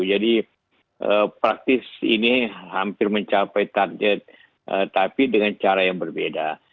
jadi praktis ini hampir mencapai target tapi dengan cara yang berbeda